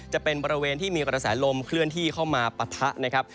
จะเป็นบริเวณที่มีกระแสลมเคลื่อนที่เข้ามาปะทะนะครับ